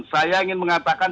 saya ingin mengatakan